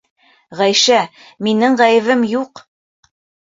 Ғәйшә, минең ғәйебем юҡ!